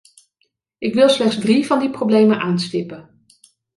Ik wil slechts drie van die problemen aanstippen.